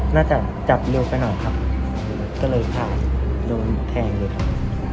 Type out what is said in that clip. น่าจะจับเร็วไปหน่อยครับก็เลยผ่านโดนแทงเลยครับ